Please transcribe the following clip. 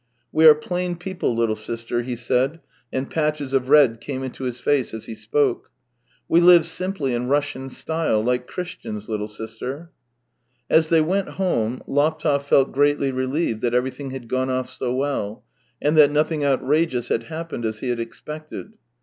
" We are plain people, Httle sister," he said, and patches of red came into his face as he spoke. " We live simply in Russian style, like Christians, little sister." As they went home, Laptev felt greatly relieved THREE YEARS 229 that everything had gone off so well, and that nothing outrageous had happened as he had expected.